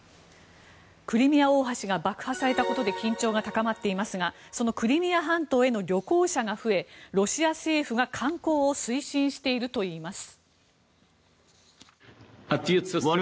クリミア大橋が爆破されたことで緊張が高まっていますがそのクリミア半島への旅行者が増えロシア政府が観光を推進しているといいます。